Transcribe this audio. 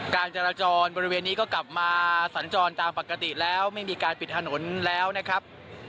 การจราจรบริเวณนี้ก็กลับมาสัญจรตามปกติแล้วไม่มีการปิดถนนแล้วนะครับ